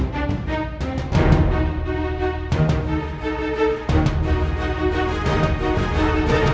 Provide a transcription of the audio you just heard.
sampai jumpa di video selanjutnya